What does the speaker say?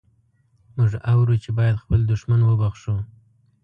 موږ اورو چې باید خپل دښمن وبخښو.